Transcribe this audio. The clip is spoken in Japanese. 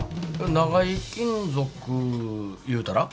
長井金属いうたら。